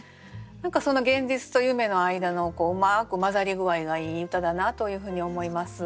何かその現実と夢の間のうまく混ざり具合がいい歌だなというふうに思います。